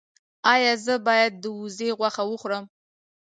ایا زه باید د وزې غوښه وخورم؟